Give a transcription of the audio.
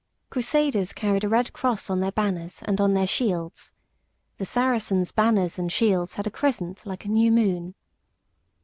Crusaders carried a red cross on their banners and on their shields. The Saracens' banners and shields had a crescent like a new moon.